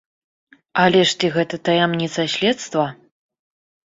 Але ж ці гэта таямніца следства?